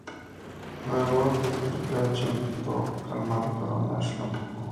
Luego Triple H intento calmarlo pero Nash lo empujó.